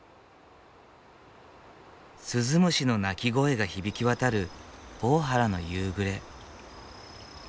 鈴虫の鳴き声が響き渡る大原の夕暮れ。